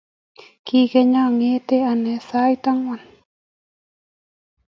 kwekeny angete anee sait angwan